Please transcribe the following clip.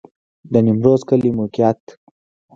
د نیمروز کلی موقعیت